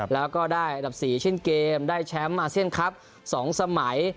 แล้วก็ได้อันดับ๔เช่นเกมได้แชมป์อาเซียนคลับ๒สมัย